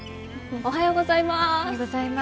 おはようございます。